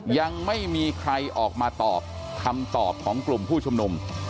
ยังไม่มีใครออกมาตอบคำตอบของกลุ่มผู้ชุมนุม